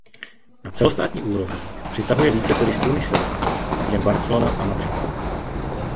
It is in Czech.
Na celostátní úrovni přitahuje více turistů než Sevilla jen Barcelona a Madrid.